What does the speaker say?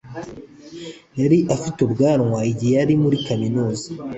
yari afite ubwanwa igihe yari muri kaminuza.